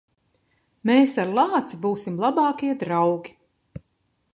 Mēs ar lāci būsim labākie draugi.